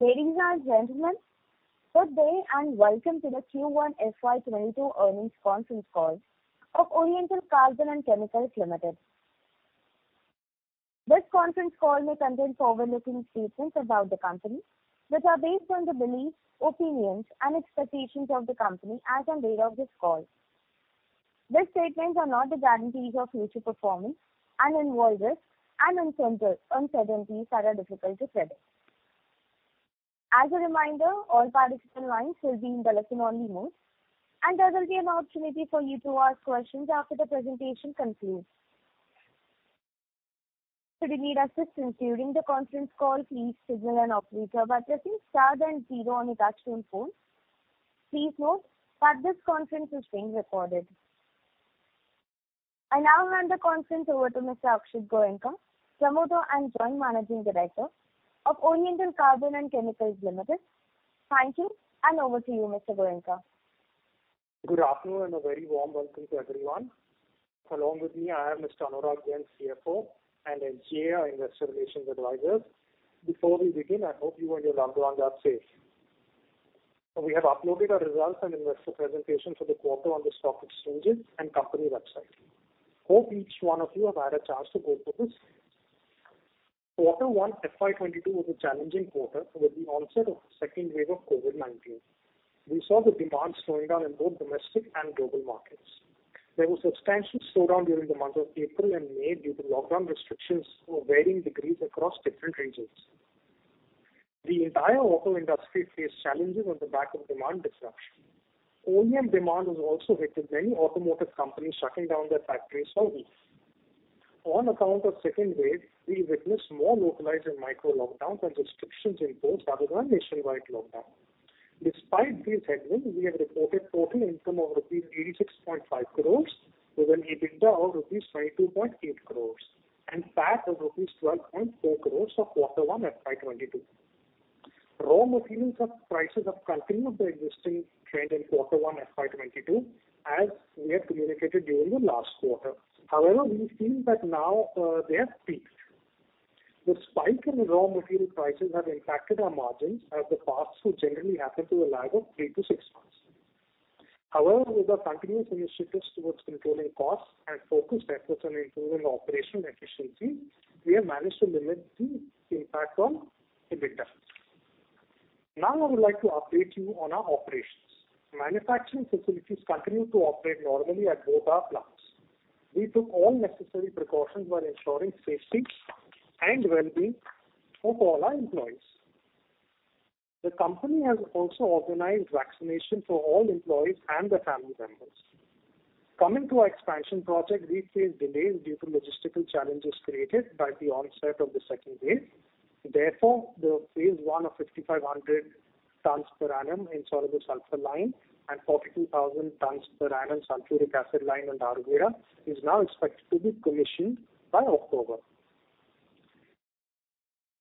Ladies and gentlemen, good day and welcome to the Q1 FY22 earnings conference call of Oriental Carbon and Chemicals Limited. This conference call may contain forward-looking statements about the company that are based on the beliefs, opinions and expectations of the company as on date of this call. These statements are not the guarantees of future performance and involve risks and uncertainties that are difficult to predict. As a reminder, all participant lines will be in listen-only mode, and there will be an opportunity for you to ask questions after the presentation concludes. Should you need assistance during the conference call, please signal an operator by pressing star then 0 on your touchtone phone. Please note that this conference is being recorded. I now hand the conference over to Mr. Akshat Goenka, promoter and Joint Managing Director of Oriental Carbon and Chemicals Limited. Thank you, over to you, Mr. Goenka. Good afternoon and a very warm welcome to everyone. Along with me, I have Mr. Anurag Jain, CFO and SGA, our investor relations advisors. Before we begin, I hope you and your loved ones are safe. We have uploaded our results and investor presentation for the quarter on the stock exchanges and company website. Hope each one of you have had a chance to go through this. Quarter one FY 2022 was a challenging quarter with the onset of the second wave of COVID-19. We saw the demand slowing down in both domestic and global markets. There was substantial slowdown during the months of April and May due to lockdown restrictions of varying degrees across different regions. The entire auto industry faced challenges on the back of demand disruption. OEM demand was also hit with many automotive companies shutting down their factories wholly. On account of second wave, we witnessed more localized and micro-lockdowns and restrictions imposed rather than nationwide lockdown. Despite these headwinds, we have reported total income of rupees 86.5 crore with an EBITDA of rupees 22.8 crore and PAT of rupees 12.4 crore for quarter one FY 2022. Raw material prices have continued their existing trend in quarter one FY 2022 as we had communicated during the last quarter. However, we feel that now they have peaked. The spike in raw material prices have impacted our margins as the pass through generally happen to a lag of three-six months. However, with our continuous initiatives towards controlling costs and focused efforts on improving operational efficiency, we have managed to limit the impact on EBITDA. Now I would like to update you on our operations. Manufacturing facilities continued to operate normally at both our plants. We took all necessary precautions while ensuring safety and wellbeing of all our employees. The company has also organized vaccination for all employees and their family members. Coming to our expansion project, we faced delays due to logistical challenges created by the onset of the second wave. The phase I of 5,500 tons per annum insoluble sulphur line and 42,000 tons per annum sulphuric acid line at Dharuhera is now expected to be commissioned by October.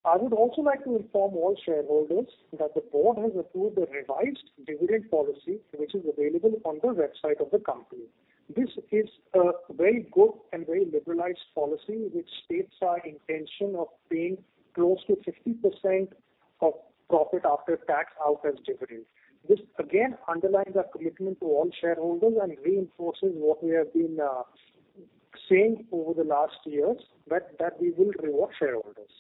I would also like to inform all shareholders that the board has approved a revised dividend policy which is available on the website of the company. This is a very good and very liberalized policy which states our intention of paying close to 50% of profit after tax out as dividends. This again underlines our commitment to all shareholders and reinforces what we have been saying over the last years, that we will reward shareholders.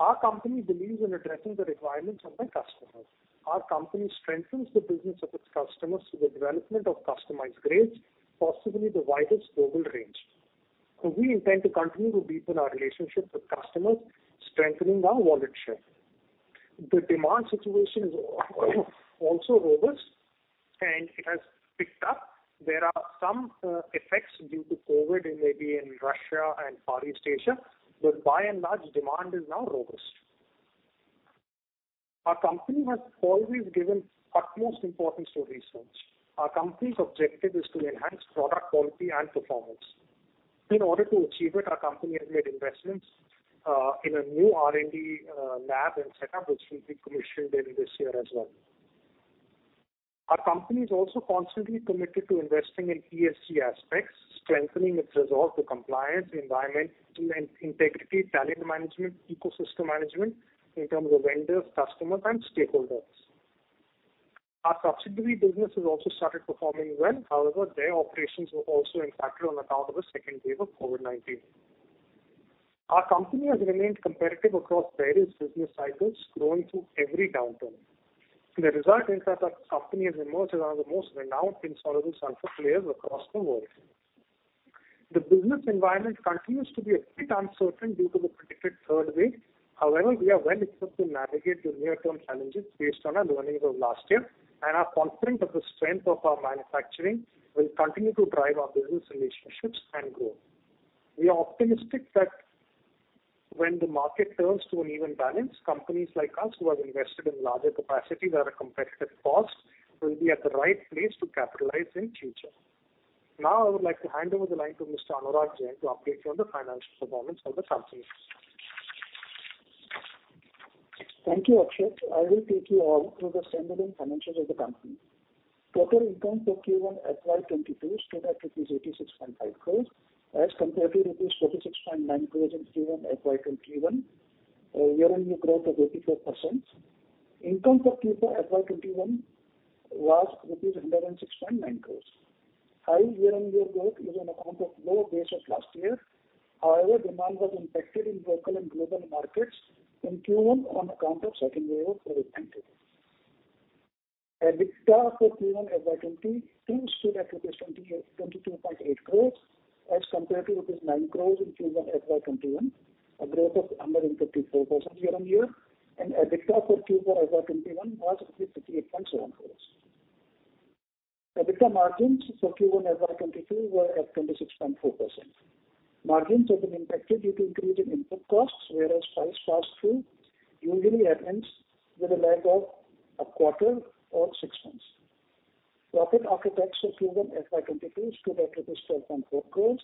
Our company believes in addressing the requirements of the customers. Our company strengthens the business of its customers through the development of customized grades, possibly the widest global range. We intend to continue to deepen our relationships with customers, strengthening our wallet share. The demand situation is also robust and it has picked up. There are some effects due to COVID-19 maybe in Russia and Far East Asia, but by and large demand is now robust. Our company has always given utmost importance to research. Our company's objective is to enhance product quality and performance. In order to achieve it, our company has made investments in a new R&D lab and setup which will be commissioned in this year as well. Our company is also constantly committed to investing in ESG aspects, strengthening its resolve to compliance, environmental integrity, talent management, ecosystem management in terms of vendors, customers and stakeholders. Our subsidiary business has also started performing well. However, their operations were also impacted on account of the second wave of COVID-19. Our company has remained competitive across various business cycles, growing through every downturn. The result is that our company has emerged as one of the most renowned insoluble sulphur players across the world. The business environment continues to be a bit uncertain due to the predicted third wave. However, we are well-equipped to navigate the near-term challenges based on our learning of last year and are confident that the strength of our manufacturing will continue to drive our business relationships and growth. We are optimistic that when the market turns to an even balance, companies like us who have invested in larger capacity at a competitive cost will be at the right place to capitalize in future. Now I would like to hand over the line to Mr. Anurag Jain to update you on the financial performance of the company. Thank you, Akshat. I will take you all through the standalone financials of the company. Profit income for Q1 FY2022 stood at INR 86.5 crore as compared to INR 46.9 crore in Q1 FY2021, a year-on-year growth of 84%. Income for Q4 FY2021 was INR 106.9 crore. High year-on-year growth is on account of low base of last year. However, demand was impacted in local and global markets in Q1 on account of second wave of COVID-19. EBITDA for Q1 FY 2022 stood at INR 22.8 crore as compared to rupees 9 crore in Q1 FY 2021, a growth of 154% year-on-year, and EBITDA for Q4 FY 2021 was INR 58.7 crore. EBITDA margins for Q1 FY 2022 were at 26.4%. Margins have been impacted due to increase in input costs, whereas price pass through usually happens with a lag of a quarter or six months. Profit after tax for Q1 FY 2022 stood at 12.4 crore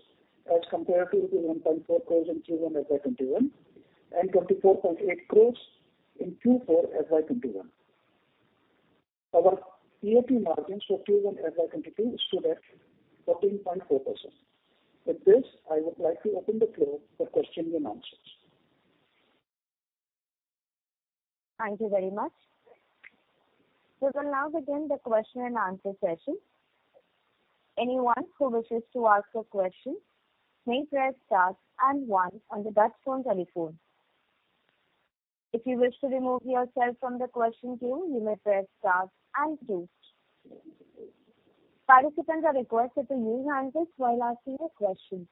as compared to 1.4 crore in Q1 FY 2021, and 24.8 crore in Q4 FY 2021. Our PAT margins for Q1 FY 2022 stood at 14.4%. With this, I would like to open the floor for question and answers. Thank you very much. We will now begin the question and answer session. Anyone who wishes to ask a question, may press star one on the touch-tone telephone. If you wish to remove yourself from the question queue, you may press star two. Participants are requested to use handles while asking a question.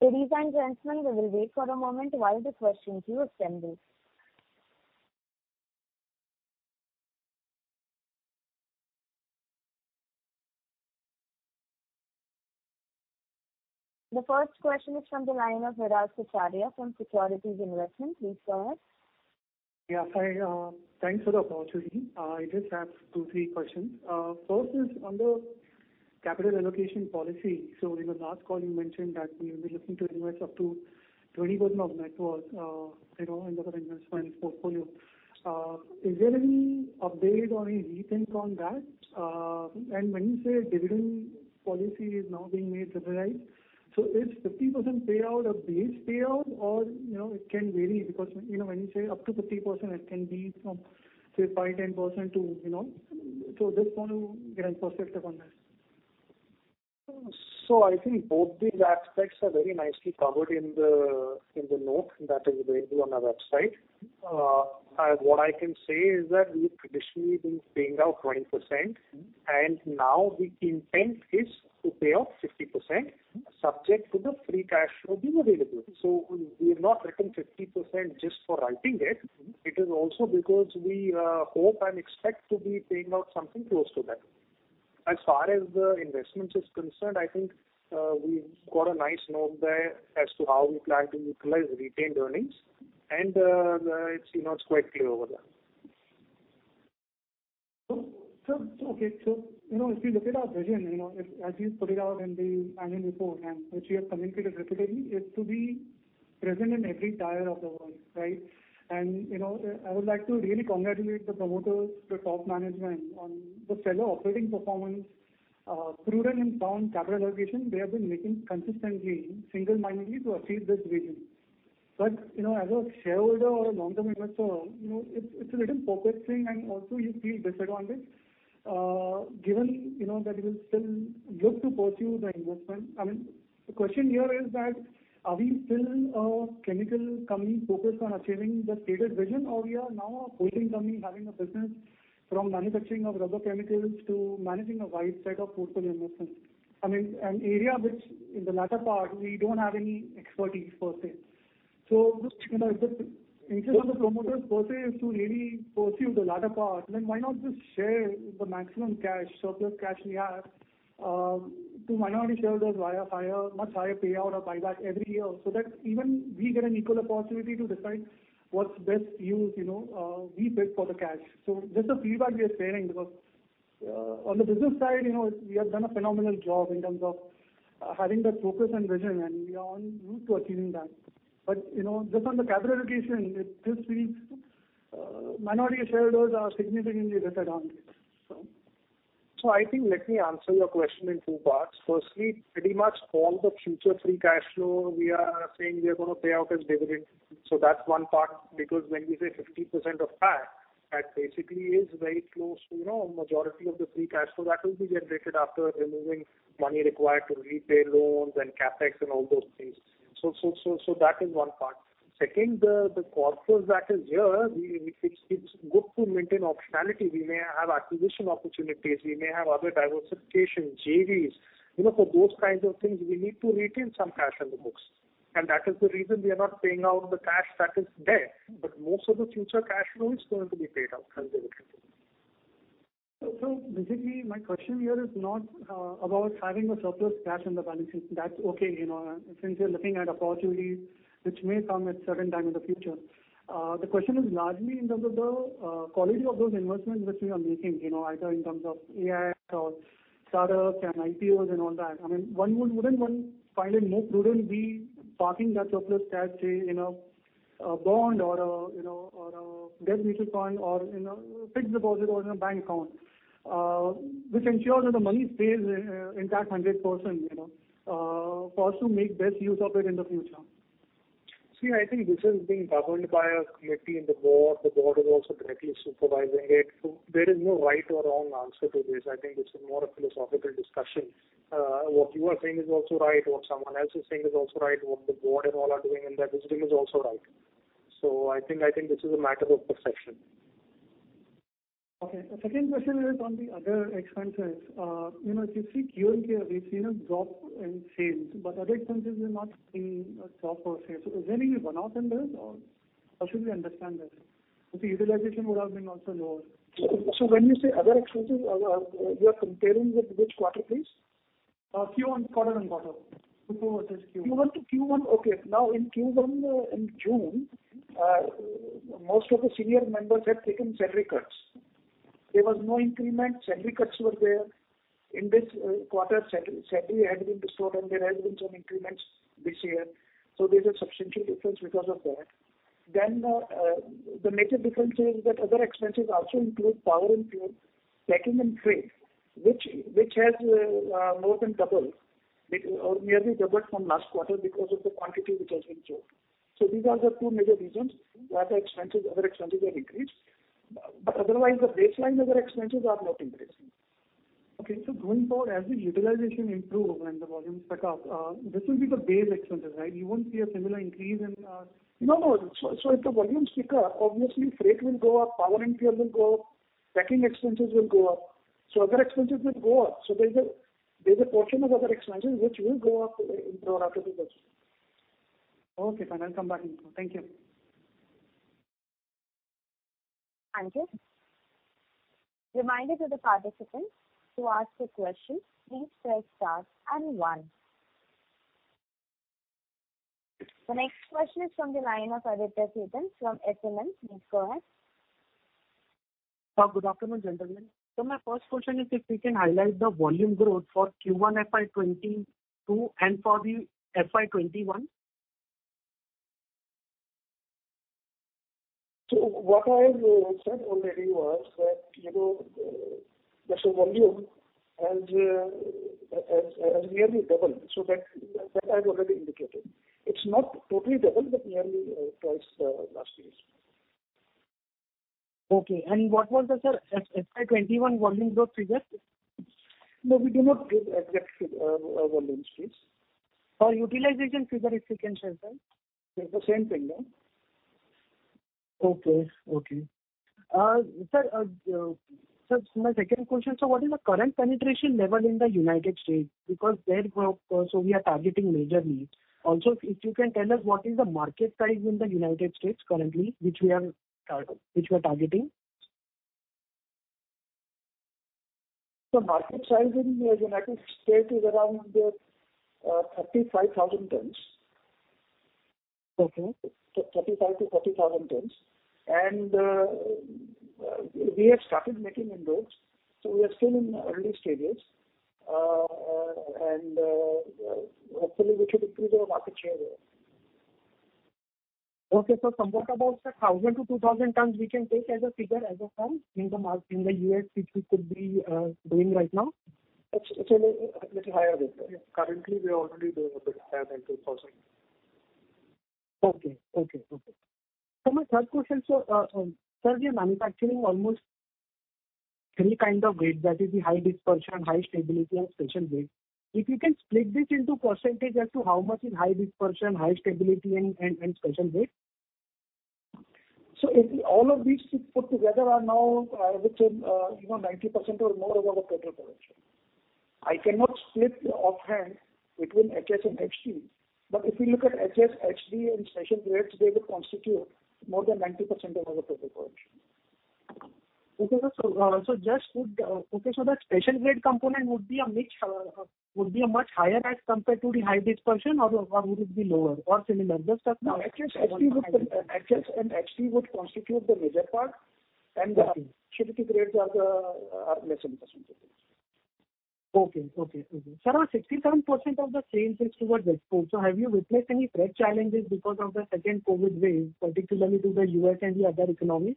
Ladies and gentlemen, we will wait for a moment while the question queue is tending. The first question is from the line of Viraj Kacharia from Securities Investment. Please go ahead. Yeah. Thanks for the opportunity. I just have two, three questions. First is on the capital allocation policy. In the last call, you mentioned that you'll be looking to invest up to 20% of net worth in other investment portfolio. Is there any update or any rethink on that? When you say dividend policy is now being made stabilized, is 50% payout a base payout or it can vary? Because when you say up to 50%, it can be from, say, 5%, 10% to. Just want to get a perspective on this. I think both these aspects are very nicely covered in the note that is available on our website. What I can say is that we've traditionally been paying out 20%, and now the intent is to pay out 50%, subject to the free cash flow being available. We have not written 50% just for writing it. It is also because we hope and expect to be paying out something close to that. As far as the investments is concerned, I think, we've got a nice note there as to how we plan to utilize retained earnings, and it's quite clear over there. Okay. If we look at our vision, as we put it out in the annual report, and which we have communicated repeatedly, is to be present in every tire of the world, right? I would like to really congratulate the promoters, the top management on the stellar operating performance, prudent and sound capital allocation. They have been making consistently, single-mindedly to achieve this vision. As a shareholder or a long-term investor, it's a little perplexing and also you feel disadvantaged, given that you will still look to pursue the investment. The question here is that, are we still a chemical company focused on achieving that stated vision or we are now a holding company having a business from manufacturing of rubber chemicals to managing a wide set of portfolio investments? An area which in the latter part we don't have any expertise per se. If the interest of the promoters per se is to really pursue the latter part, then why not just share the maximum cash, surplus cash we have to minority shareholders via much higher payout or buyback every year so that even we get an equal opportunity to decide what's best use we bid for the cash. Just a feedback we are sharing because on the business side, we have done a phenomenal job in terms of having that focus and vision, and we are on route to achieving that. Just on the capital allocation, it just feels minority shareholders are significantly disadvantaged. I think let me answer your question in two parts. Firstly, pretty much all the future free cash flow we are saying we are going to pay out as dividend. That's one part because when we say 50% of PAT, that basically is very close to a majority of the free cash flow that will be generated after removing money required to repay loans and CapEx and all those things. Second, the corpus that is here, it's good to maintain optionality. We may have acquisition opportunities. We may have other diversification, JVs. For those kinds of things, we need to retain some cash on the books. That is the reason we are not paying out the cash that is there, but most of the future cash flow is going to be paid out as dividend. Basically, my question here is not about having a surplus cash in the balance sheet. That's okay since you're looking at opportunities which may come at certain time in the future. The question is largely in terms of the quality of those investments which we are making, either in terms of AIF or startups and IPOs and all that. Wouldn't one find it more prudent we parking that surplus cash, say a bond or a debt mutual fund or fixed deposit or in a bank account, which ensures that the money stays intact 100%, for us to make best use of it in the future. I think this is being governed by a committee and the board. The board is also directly supervising it. There is no right or wrong answer to this. I think this is more a philosophical discussion. What you are saying is also right. What someone else is saying is also right. What the board and all are doing in their wisdom is also right. I think this is a matter of perception. Okay. The second question is on the other expenses. If you see Q-on-Q, we've seen a drop in sales. Other expenses we've not seen a drop or sale. Is there any runoff in this or how should we understand this? Utilization would have been also lower. When you say other expenses, you are comparing with which quarter, please? Q1 quarter-on-quarter. Q1 to Q1. Okay. In Q1, in June, most of the senior members had taken salary cuts. There was no increment. Salary cuts were there. In this quarter, salary has been restored and there has been some increments this year. There's a substantial difference because of that. The major difference is that other expenses also include power and fuel, packing and freight, which has more than doubled or nearly doubled from last quarter because of the quantity which has been sold. These are the two major reasons why other expenses have increased. Otherwise, the baseline other expenses are not increasing. Okay. Going forward, as the utilization improve and the volumes pick up, this will be the base expenses, right? You won't see a similar increase in- If the volumes pick up, obviously freight will go up, power and fuel will go up, packing expenses will go up. Other expenses will go up. There's a portion of other expenses which will go up, [inaudible] Okay, fine. I'll come back. Thank you. Thank you. Reminder to the participants to ask a question, please press star and one. The next question is from the line of Aditya Khetan from S&M. Please go ahead. Good afternoon, gentlemen. My first question is if we can highlight the volume growth for Q1 FY 2022 and for the FY 2021. What I've said already was that the volume has nearly doubled. That I've already indicated. It's not totally doubled, but nearly twice the last year's. Okay. What was the FY 2021 volume growth figure? No, we do not give exact volumes, please. For utilization figure, if we can share, sir? It's the same thing. Okay. Sir, my second question, what is the current penetration level in the United States? Because there, we are targeting majorly. If you can tell us what is the market size in the United States currently, which we are targeting? Market size in the United States is around 35,000 tons. Okay. 35,000-40,000 tons. We have started making inroads. We are still in early stages. Hopefully we should improve our market share there. Okay, sir. What about the 1,000-2,000 tons we can take as a figure as of now in the U.S., which we could be doing right now? It's a little higher than that. Currently, we are already doing a bit higher than 2,000. Okay. My third question, sir, you are manufacturing almost three kind of grade, that is the high dispersion, high stability and special grade. If you can split this into percentage as to how much in high dispersion, high stability and special grade. All of these put together are now, I would say, even 90% or more of our total production. I cannot split offhand between HS and HD, but if you look at HS, HD and special grades, they would constitute more than 90% of our total production. Okay, sir. That special grade component would be much higher as compared to the high dispersion, or would it be lower or similar, just roughly? No, HS and HD would constitute the major part and the specialty grades are less in percentage. Okay. Sir, 67% of the sales is towards export. Have you witnessed any freight challenges because of the second COVID wave, particularly to the U.S. and the other economies?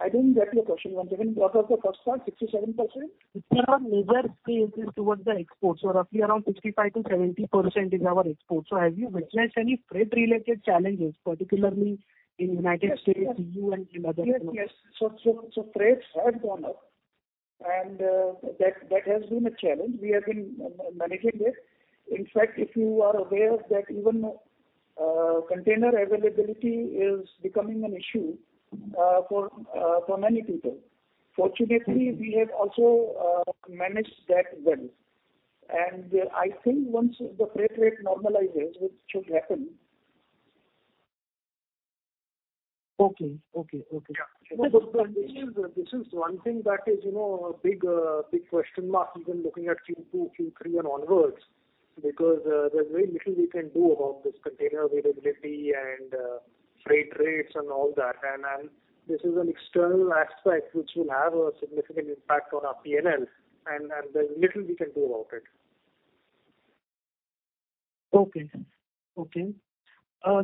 I didn't get your question once again. What was the first part? 67%? Sir, our major sales is towards the exports or roughly around 65%-70% is our export. Have you witnessed any freight related challenges, particularly in United States, EU and in other-? Yes. Freights have gone up, that has been a challenge. We have been managing it. In fact, if you are aware that even container availability is becoming an issue for many people. Fortunately, we have also managed that well. I think once the freight rate normalizes, which should happen. Okay. Yeah. This is one thing that is a big question mark even looking at Q2, Q3, and onwards because there's very little we can do about this container availability and freight rates and all that. This is an external aspect which will have a significant impact on our P&L, and there's little we can do about it. Okay. Sir,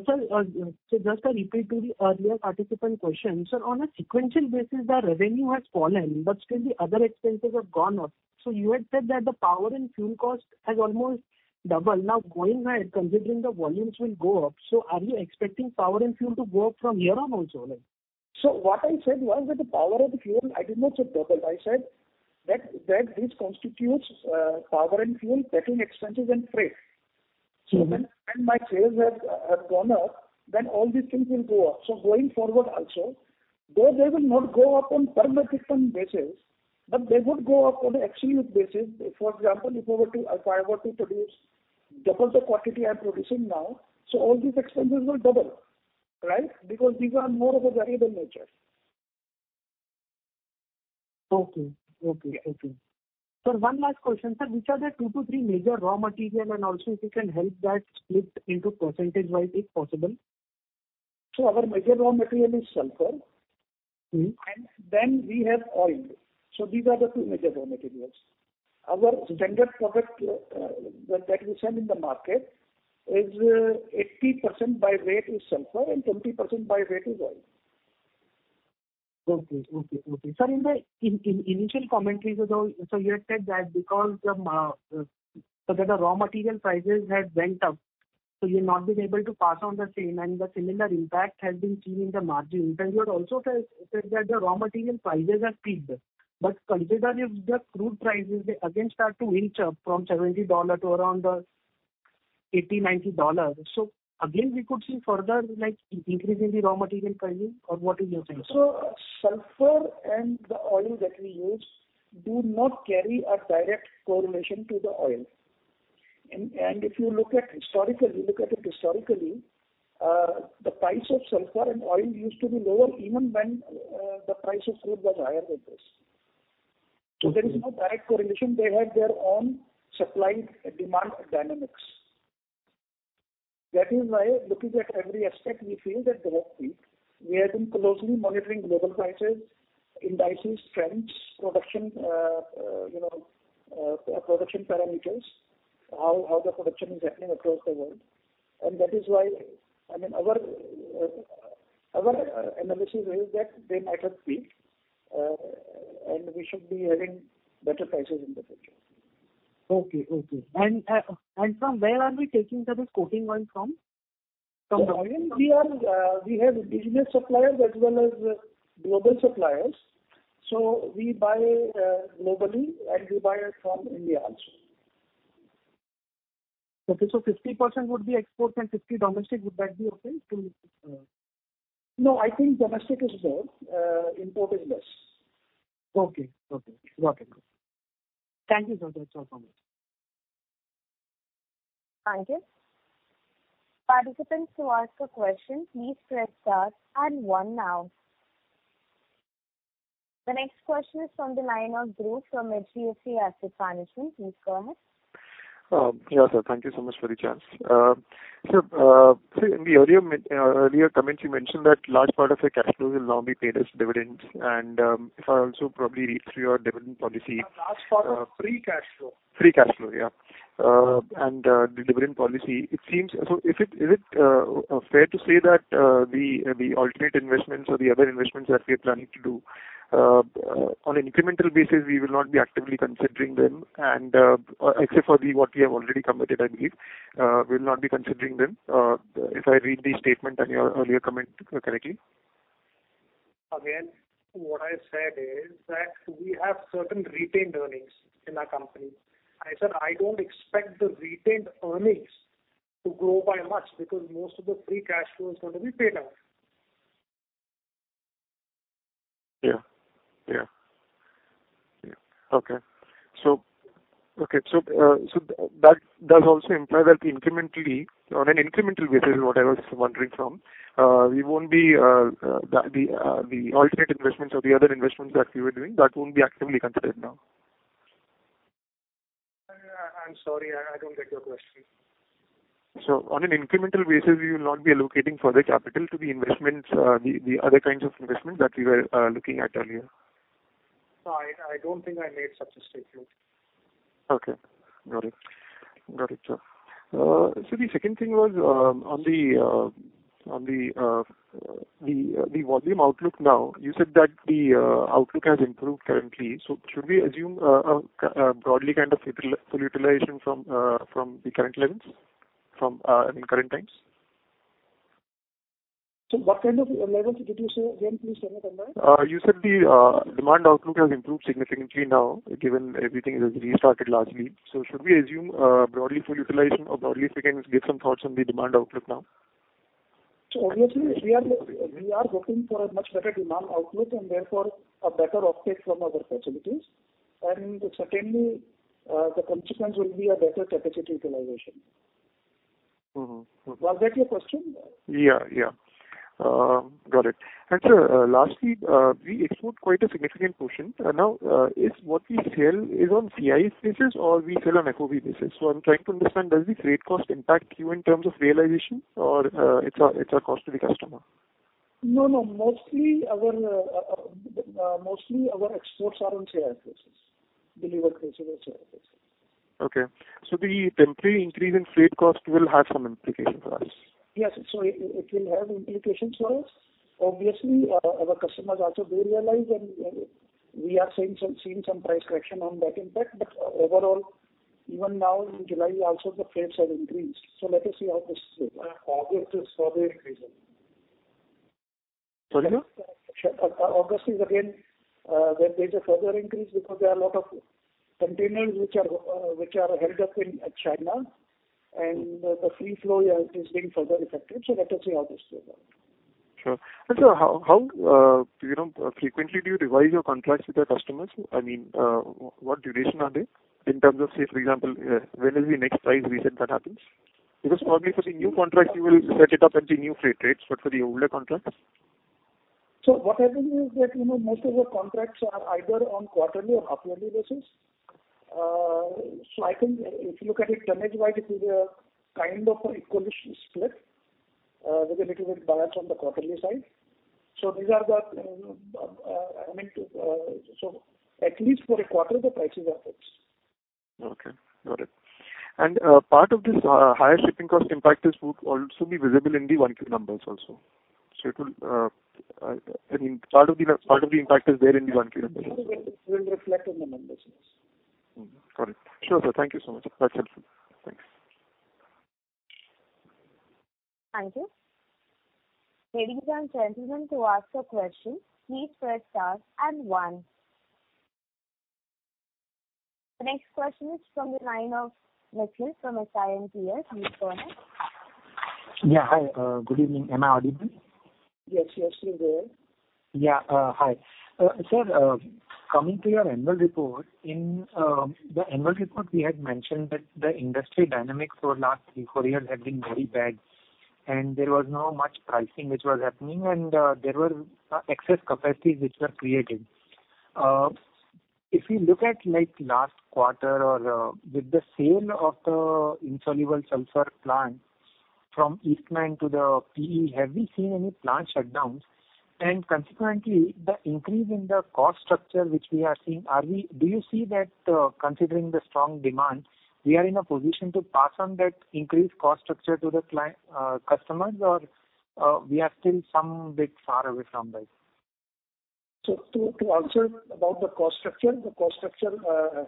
just a repeat to the earlier participant question. Sir, on a sequential basis, the revenue has fallen, but still the other expenses have gone up. You had said that the power and fuel cost has almost doubled. Going ahead, considering the volumes will go up, are you expecting power and fuel to go up from here on also? What I said was that the power of the fuel, I did not say double. I said that this constitutes power and fuel, packing expenses and freight. When my sales have gone up, then all these things will go up. Going forward also, though they will not go up on per metric ton basis, but they would go up on an absolute basis. For example, if I were to produce double the quantity I'm producing now, all these expenses will double, right? Because these are more of a variable nature. Okay. Sir, one last question. Sir, which are the two to three major raw materials, and also if you can help that split into percentage-wise, if possible? Our major raw material is sulfur. We have oil. These are the two major raw materials. Our standard product that we sell in the market, 80% by weight is sulphur and 20% by weight is oil. Sir, in initial commentary though, you had said that because the raw material prices had went up, you've not been able to pass on the same, and the similar impact has been seen in the margin. You had also said that the raw material prices have peaked. Considering if the crude prices, they again start to inch up from $70 to around the $80-$90. Again, we could see further increase in the raw material pricing, or what is your take, sir? Sulphur and the oil that we use do not carry a direct correlation to the oil. If you look at it historically, the price of sulphur and oil used to be lower even when the price of crude was higher than this. Okay. There is no direct correlation. They have their own supply and demand dynamics. That is why, looking at every aspect, we feel that they have peaked. We have been closely monitoring global prices, indices, trends, production parameters, how the production is happening across the world. That is why our analysis is that they might have peaked, and we should be having better prices in the future. Okay. Sir, where are we taking this coating oil from? We have indigenous suppliers as well as global suppliers. We buy globally, and we buy it from India also. Okay. 50% would be export and 50% domestic, would that be okay? No, I think domestic is more, import is less. Okay. Got it. Thank you, sir. That's all from me. Thank you. Participants who ask a question, please press star and one now. The next question is from the line of Dhruv from HDFC Asset Management. Please go ahead. Yeah, sir. Thank you so much for the chance. Sir, in the earlier comments, you mentioned that large part of the cash flow will now be paid as dividends. [inaudible] Large part of free cash flow. Free cash flow, yeah. Dividend policy. Is it fair to say that the alternate investments or the other investments that we are planning to do, on an incremental basis, we will not be actively considering them, except for what we have already committed, I believe. We'll not be considering them, if I read the statement on your earlier comment correctly. What I said is that we have certain retained earnings in our company. I said I don't expect the retained earnings to grow by much because most of the free cash flow is going to be paid out. Yeah. Okay. That does also imply that on an incremental basis, what I was wondering from, the alternate investments or the other investments that we were doing, that won't be actively considered now. I'm sorry, I don't get your question. On an incremental basis, we will not be allocating further capital to the other kinds of investments that we were looking at earlier. No, I don't think I made such a statement. Okay. Got it, sir. Sir, the second thing was on the volume outlook now. You said that the outlook has improved currently. Should we assume a broadly kind of full utilization from the current levels, in current times? Sir, what kind of levels did you say again, please? I'm not aware. You said the demand outlook has improved significantly now, given everything has restarted largely. Should we assume broadly full utilization or broadly, if you can give some thoughts on the demand outlook now? Obviously, we are hoping for a much better demand outlook and therefore a better uptake from our facilities. Certainly, the consequence will be a better capacity utilization. Was that your question? Yeah. Got it. Sir, lastly, we export quite a significant portion. Now, is what we sell is on CIF basis, or we sell on FOB basis. I'm trying to understand, does the freight cost impact you in terms of realization or it's a cost to the customer? No, mostly our exports are on CIF basis, delivered price on CIF basis. Okay. The temporary increase in freight cost will have some implications for us? Yes. It will have implications for us. Obviously, our customers also do realize, and we are seeing some price correction on that impact. Overall, even now in July also the freights have increased. Let us see how this goes. August is further increasing. [inaudible] August is again, there is a further increase because there are a lot of containers which are held up in China. The free flow is being further affected. Let us see how this goes now. Sure. Sir, how frequently do you revise your contracts with your customers? What duration are they, in terms of, say, for example, when is the next price reset that happens? Probably for the new contract, you will set it up at the new freight rates, but for the older contracts? What happens is that most of our contracts are either on quarterly or half-yearly basis. I think if you look at it tonnage-wide, it is a kind of an equalish split with a little bit bias on the quarterly side. At least for a quarter the prices are fixed. Okay, got it. Part of this higher shipping cost impact would also be visible in the 1Q numbers also. I mean, part of the impact is there in the 1Q numbers. It will reflect in the numbers, yes. Got it. Sure, sir. Thank you so much. That's helpful. Thanks. Thank you. The next question is from the line of Nikhil from. [inaudible] Please go ahead. Yeah, hi. Good evening. Am I audible? Yes, you're clear. Hi. Sir, coming to your annual report. In the annual report, we had mentioned that the industry dynamics for last three, four years had been very bad, and there was no much pricing which was happening, and there were excess capacities which were created. If you look at last quarter or with the sale of the insoluble sulphur plant from Eastman to the PE, have we seen any plant shutdowns? Consequently, the increase in the cost structure which we are seeing, do you see that considering the strong demand, we are in a position to pass on that increased cost structure to the customers or we are still somewhat far away from that? To answer about the cost structure, the cost structure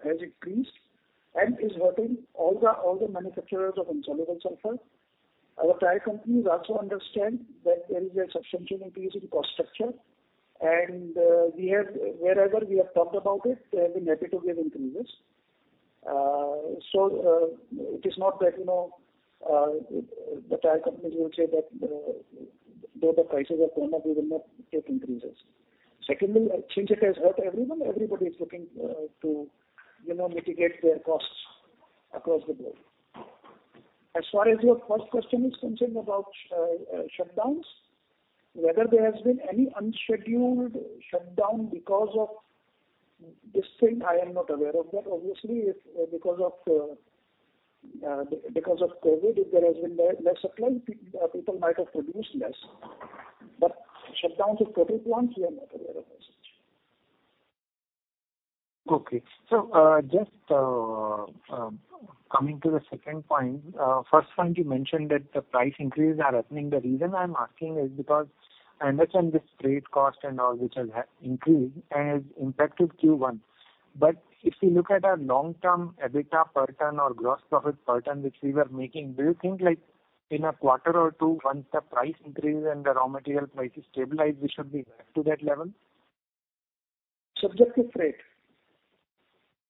has increased and is hurting all the manufacturers of insoluble sulphur. Our tire companies also understand that there is a substantial increase in cost structure. Wherever we have talked about it, they have been happy to give [inaudible] increases. Secondly, since it has hurt everyone, everybody is looking to mitigate their costs across the board. As far as your first question is concerned about shutdowns, whether there has been any unscheduled shutdown because of this thing, I am not aware of that. Obviously, because of COVID, if there has been less supply, people might have produced less, but shutdowns of specific plants, we are not aware of as such. Okay. Just coming to the second point. First one, you mentioned that the price increases are happening. The reason I'm asking is because I understand this freight cost and all, which has increased and has impacted Q1. If you look at our long-term EBITDA per ton or gross profit per ton, which we were making, do you think like in a quarter or two, once the price increase and the raw material prices stabilize, we should be back to that level? Subject to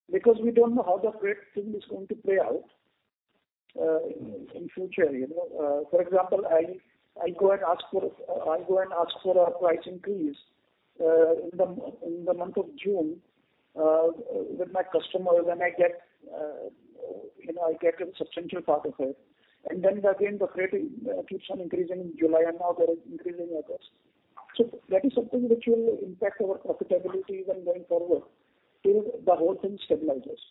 freight. We don't know how the freight thing is going to play out in future. For example, I go and ask for a price increase in the month of June with my customers, and I get a substantial part of it. Then again, the freight keeps on increasing in July and now they're increasing August. That is something which will impact our profitability even going forward till the whole thing stabilizes.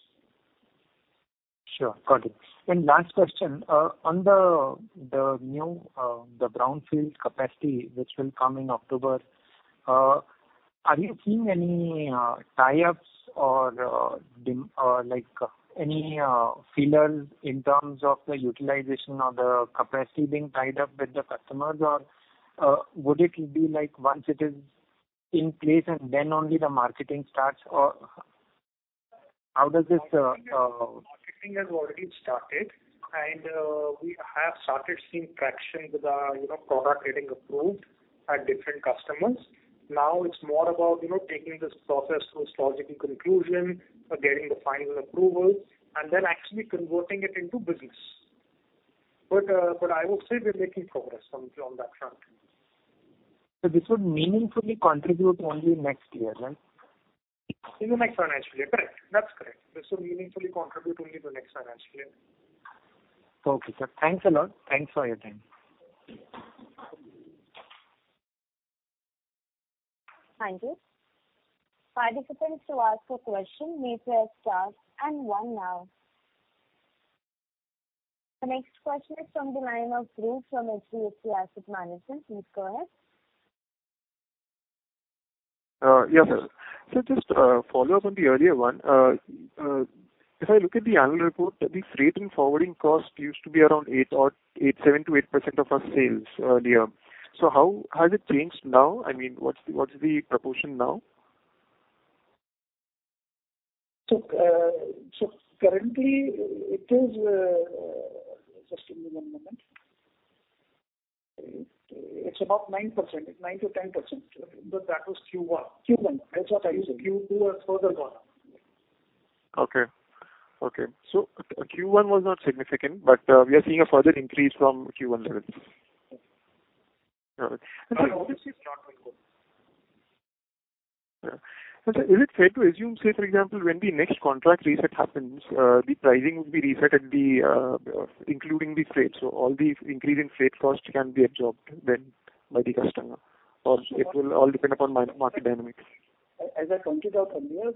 Sure, got it. Last question. On the Brownfield capacity which will come in October, are you seeing any tie-ups or any feelers in terms of the utilization or the capacity being tied up with the customers or would it be like once it is in place and then only the marketing starts? Marketing has already started, and we have started seeing traction with our product getting approved at different customers. Now it's more about taking this process to its logical conclusion, getting the final approvals, and then actually converting it into business. I would say we're making progress on that front. This would meaningfully contribute only next year, right? In the next financial year. Correct. That's correct. This will meaningfully contribute only the next financial year. Okay, sir. Thanks a lot. Thanks for your time. Thank you. The next question is from the line of Dhruv from HDFC Asset Management. Please go ahead. Yes, sir. Just a follow-up on the earlier one. If I look at the annual report, the freight and forwarding cost used to be around 7%-8% of our sales earlier. How has it changed now? What's the proportion now? Currently, it is. Just give me one moment. It's about 9%, 9%-10%. That was Q1. That's what I was saying. Q2 has further gone up. Okay. Q1 was not significant, but we are seeing a further increase from Q1 levels. All right. All the ships. [inaudible] Yeah. Is it fair to assume, say, for example, when the next contract reset happens, the pricing will be reset including the freight, so all the increase in freight cost can be absorbed then by the customer? Or it will all depend upon market dynamics? As I pointed out earlier,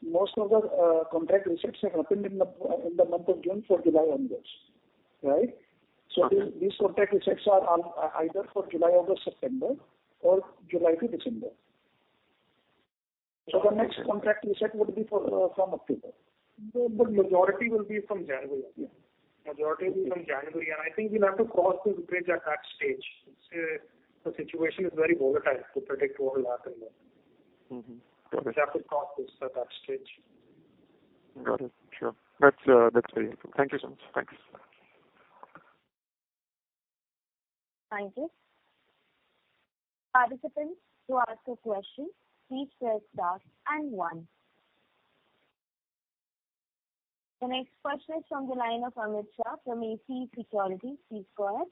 most of the contract resets have happened in the month of June for July onwards, right? These contract resets are either for July August September or July to December. The next contract reset would be from October. The majority will be from January. Yeah. Majority will be from January, and I think we'll have to cross the bridge at that stage. The situation is very volatile to predict what will happen then. Mm-hmm. Got it. We have to cross this at that stage. Got it. Sure. That's very helpful. Thank you so much. Thanks. Thank you. Participants, to ask a question, please press star and one. The next question is from the line of Amit Shah from ACE Securities. Please go ahead.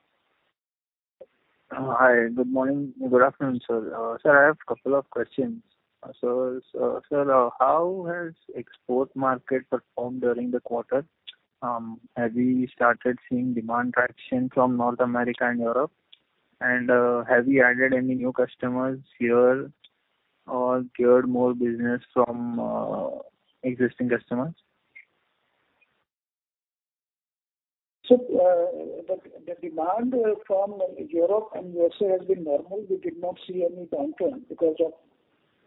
Hi. Good morning. Good afternoon, sir. Sir, I have a couple of questions. How has export market performed during the quarter? Have you started seeing demand traction from North America and Europe? Have you added any new customers here or acquired more business from existing customers? The demand from Europe and U.S.A. has been normal. We did not see any downturn because of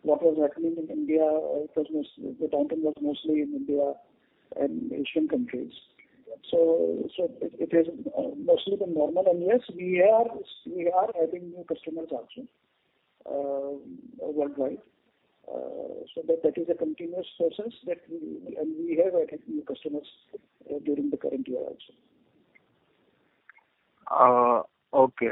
what was happening in India. Of course, most of the downturn was mostly in India and Asian countries. It has mostly been normal. Yes, we are adding new customers also worldwide. That is a continuous process, and we have added new customers during the current year also. Okay.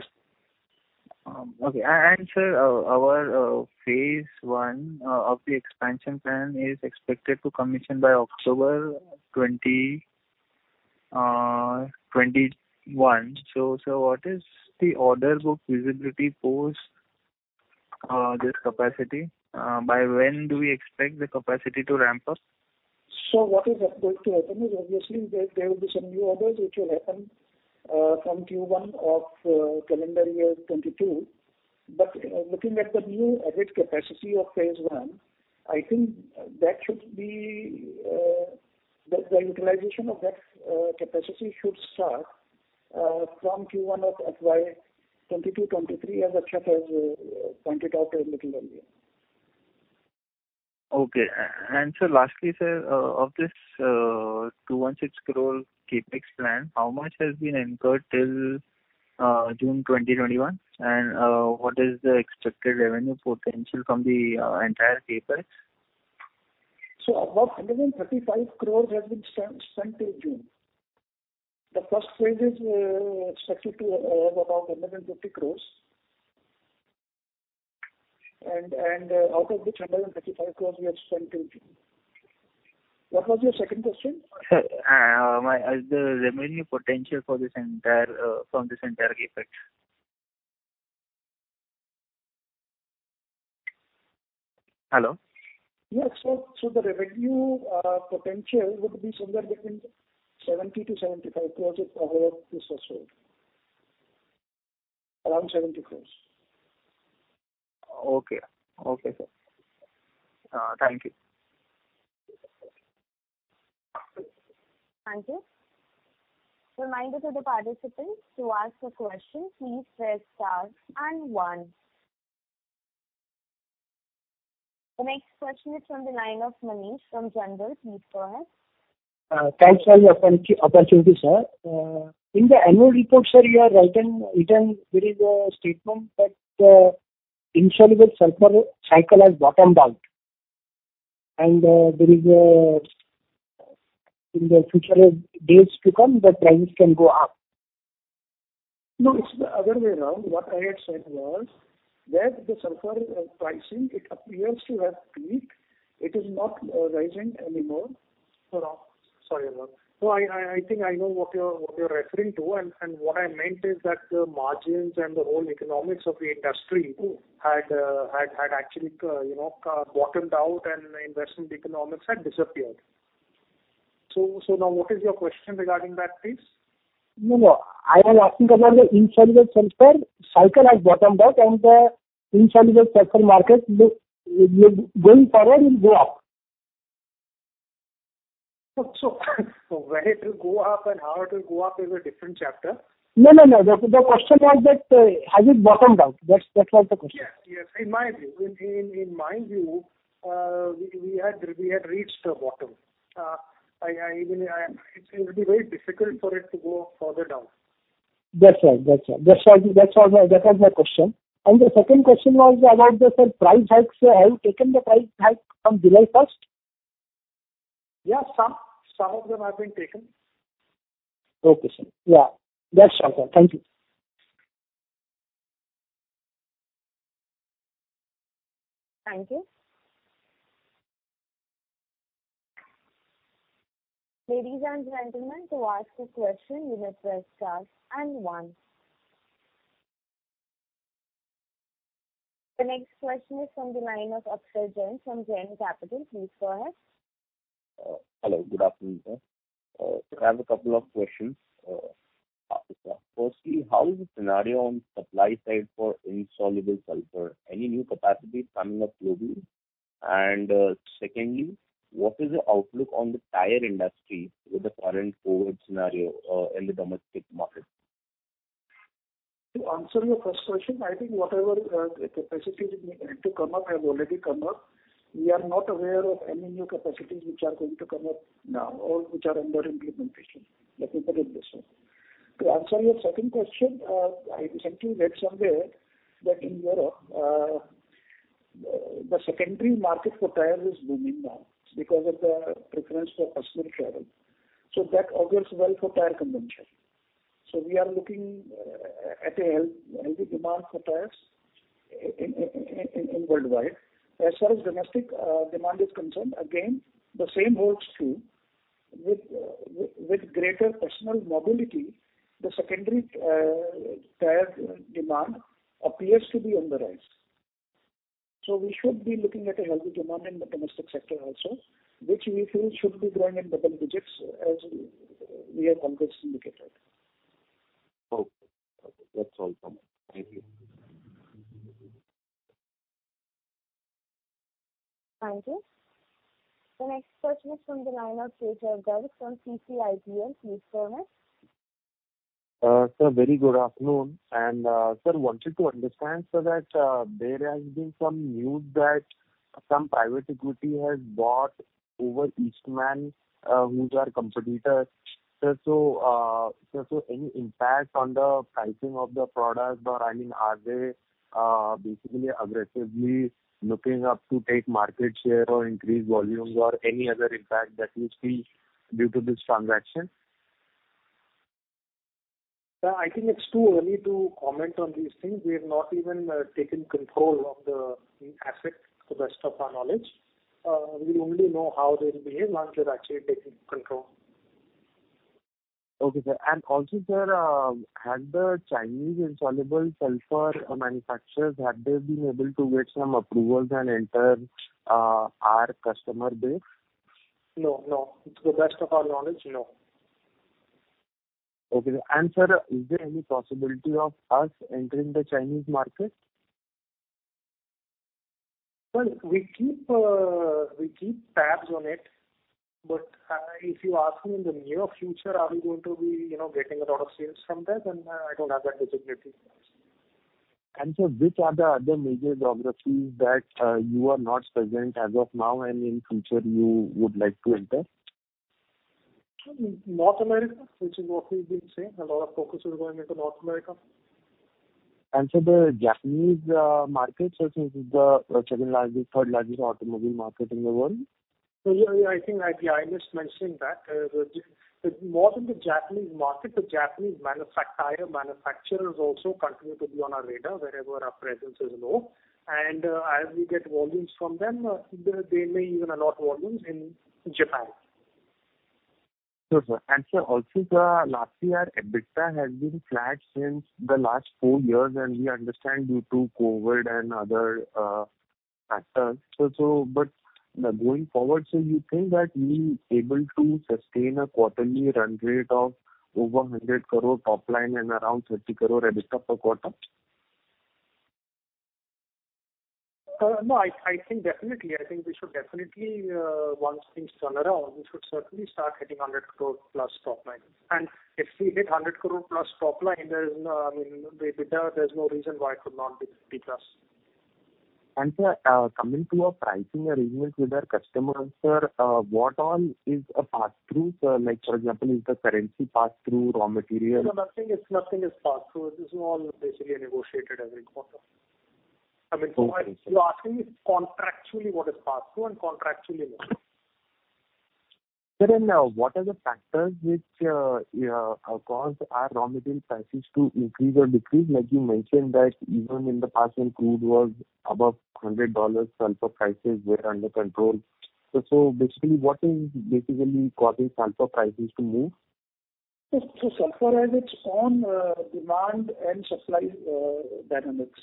Sir, our phase I of the expansion plan is expected to commission by October 2021. Sir, what is the order book visibility post this capacity? By when do we expect the capacity to ramp up? What is supposed to happen is obviously there will be some new orders which will happen from Q1 of calendar year 2022. Looking at the new added capacity of phase I, I think the utilization of that capacity should start from Q1 of FY 2022/2023, as Akshat has pointed out a little earlier. Okay. Sir, lastly, sir, of this 216 crore CapEx plan, how much has been incurred till June 2021? What is the expected revenue potential from the entire CapEx? About 135 crore has been spent till June. The first phase is expected to have about 150 crore, out of which 135 crore we have spent in June. What was your second question? Sir, the revenue potential from this entire CapEx. Hello? Yes. The revenue potential would be somewhere between 70 crore-75 crore if all of this was sold. Around 70 crore. Okay. Okay, sir. Thank you. Thank you. Reminder to the participants, to ask a question, please press star one. The next question is from the line of Manish from. [inaudible] Please go ahead. Thanks for the opportunity, sir. In the annual report, sir, you have written, there is a statement that insoluble sulphur cycle has bottomed out, and in the future days to come, the prices can go up. No, it's the other way around. What I had said was that the sulphur pricing, it appears to have peaked. It is not rising anymore. Sorry about that. No, I think I know what you're referring to. What I meant is that the margins and the whole economics of the industry had actually bottomed out and investment economics had disappeared. Now what is your question regarding that, please? No, no. I am asking about the insoluble sulphur cycle has bottomed out and the insoluble sulphur market going forward will go up. When it will go up and how it will go up is a different chapter. No. The question was that, has it bottomed out? That was the question. Yes. In my view, we had reached the bottom. It will be very difficult for it to go further down. That's all. That was my question. The second question was about the price hikes. Have you taken the price hike from July 1st? Yes, some of them have been taken. Okay, sir. Yeah. That's all, sir. Thank you. Thank you. Ladies and gentlemen, The next question is from the line of Ashay Jain from Jain Capital. Please go ahead. Hello. Good afternoon, sir. I have a couple of questions. Firstly, how is the scenario on supply side for insoluble sulphur? Any new capacity coming up globally? Secondly, what is the outlook on the tire industry with the current COVID scenario in the domestic market? To answer your first question, I think whatever capacity is meant to come up has already come up. We are not aware of any new capacities which are going to come up now or which are under implementation that we believe so. To answer your second question, I recently read somewhere that in Europe, the secondary market for tires is booming now. It's because of the preference for personal travel. That augurs well for tire consumption. We are looking at a healthy demand for tires worldwide. As far as domestic demand is concerned, again, the same holds true, with greater personal mobility, the secondary tire demand appears to be on the rise. We should be looking at a healthy demand in the domestic sector also, which we feel should be growing in double digits as we have always indicated. Okay. That's all, sir. Thank you. Thank you. The next question is from the line of Keshav Garg from CCIPL. Please go ahead. Sir, very good afternoon. Sir, wanted to understand so that there has been some news that some private equity has bought over Eastman, who's our competitor. Sir, any impact on the pricing of the product, or are they basically aggressively looking up to take market share or increase volumes or any other impact that you see due to this transaction? Sir, I think it's too early to comment on these things. We have not even taken control of the assets to the best of our knowledge. We'll only know how they'll behave once they've actually taken control. Okay, sir. Also, sir, had the Chinese insoluble sulphur manufacturers, had they been able to get some approvals and enter our customer base? No. To the best of our knowledge, no. Okay. Sir, is there any possibility of us entering the Chinese market? Well, we keep tabs on it, but if you ask me in the near future, are we going to be getting a lot of sales from them, then I don't have that visibility. Sir, which are the other major geographies that you are not present as of now and in future you would like to enter? North America, which is what we've been saying. A lot of focus is going into North America. Sir, the Japanese market, which is the second largest, third largest automobile market in the world? Sir, yeah. I think I just mentioned that. More than the Japanese market, the Japanese tire manufacturers also continue to be on our radar wherever our presence is low. As we get volumes from them, they may even allot volumes in Japan. Sure, sir. Sir, also, sir, last year, EBITDA has been flat since the last four years. We understand due to COVID and other factors. Going forward, sir, you think that we're able to sustain a quarterly run rate of over 100 crore top line and around 30 crore EBITDA per quarter? I think definitely. I think we should definitely, once things turn around, we should certainly start hitting 100 crore plus top line. If we hit 100 crore plus top line, I mean, the EBITDA, there's no reason why it could not be INR 50 plus. Sir, coming to our pricing arrangements with our customers, what all is a passthrough, sir? Like for example, is the currency passthrough, raw material? Sir, nothing is passthrough. This is all basically a negotiated every quarter. Okay, sir. I mean, you're asking me contractually what is passthrough and contractually not. Sir, what are the factors which cause our raw material prices to increase or decrease? Like you mentioned that even in the past when crude was above $100, sulphur prices were under control. Basically, what is causing sulphur prices to move? Sulphur has its own demand and supply dynamics.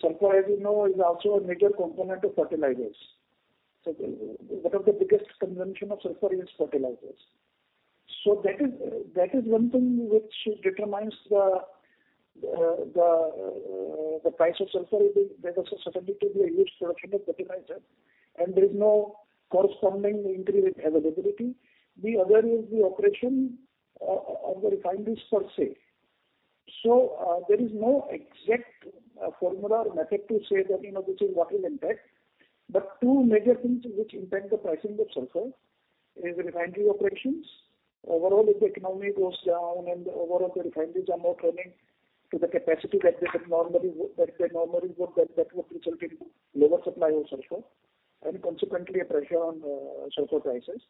Sulphur, as you know, is also a major component of fertilizers. One of the biggest consumption of sulphur is fertilizers. That is one thing which determines the price of sulphur. There was a certainty to the huge production of fertilizer, and there is no corresponding increase in availability. The other is the operation of the refineries per se. There is no exact formula or method to say that, which is what will impact. Two major things which impact the pricing of sulphur is the refinery operations. Overall, if the economy goes down and the overall refineries are not running to the capacity that they normally would, that would result in lower supply of sulphur and consequently a pressure on sulphur prices.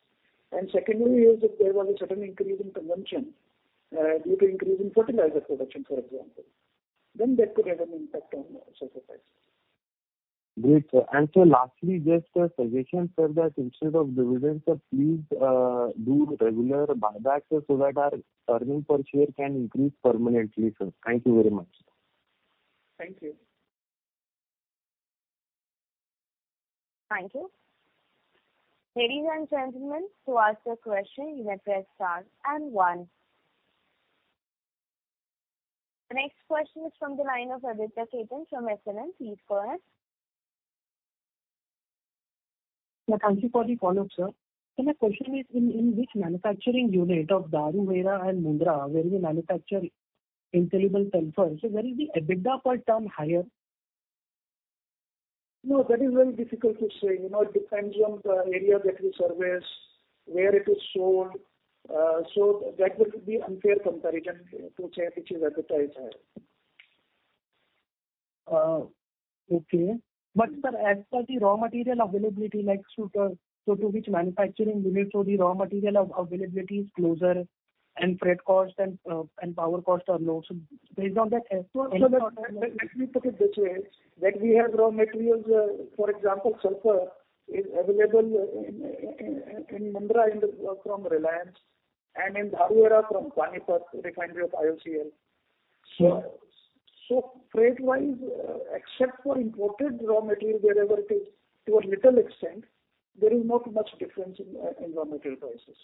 Secondly is if there was a certain increase in consumption due to increase in fertilizer production, for example. That could have an impact on sulphur price. Great, sir. Sir, lastly, just a suggestion, sir, that instead of dividends, sir, please do regular buybacks so that our earning per share can increase permanently, sir. Thank you very much. Thank you. Thank you. Ladies and gentlemen, to ask a question, you may press star and one. Next question is from the line of Aditya Khetan from S&M. Please go ahead. Thank you for the follow-up, sir. Sir, my question is, in which manufacturing unit of Dharuhera and Mundra, where we manufacture insoluble sulphur. Where is the EBITDA per ton higher? No, that is very difficult to say. It depends on the area that we service, where it is sold. That would be unfair comparison to say which is EBITDA is higher. Okay. Sir, as per the raw material availability, like so to which manufacturing unit, so the raw material availability is closer and freight cost and power cost are low. Let me put it this way, that we have raw materials, for example, sulphur is available in Mundra from Reliance and in Dharuhera from Panipat Refinery of IOCL. Yes. Freight-wise, except for imported raw material, wherever it is to a little extent, there is not much difference in raw material prices.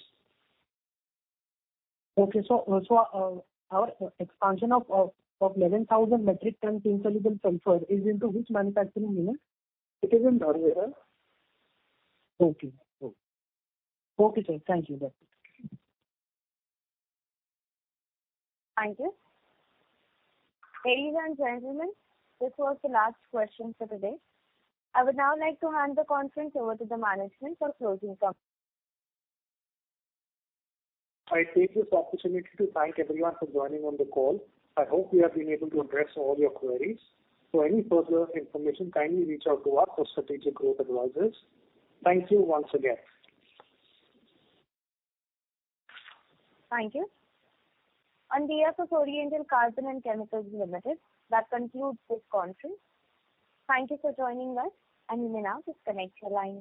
Okay. Our expansion of 11,000 metric ton insoluble sulphur is into which manufacturing unit? It is in Dharuhera. Okay. Okay, sir. Thank you. That's it. Thank you. Ladies and gentlemen, this was the last question for today. I would now like to hand the conference over to the management for closing comments. I take this opportunity to thank everyone for joining on the call. I hope we have been able to address all your queries. For any further information, kindly reach out to our Strategic Growth Advisors. Thank you once again. Thank you. On behalf of Oriental Carbon and Chemicals Limited, that concludes this conference. Thank you for joining us, and you may now disconnect your lines.